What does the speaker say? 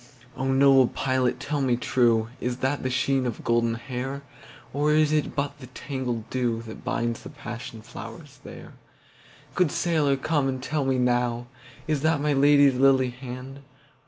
O noble pilot tell me trueIs that the sheen of golden hair? Or is it but the tangled dewThat binds the passion flowers there? Good sailor come and tell me nowIs that my Lady's lily hand?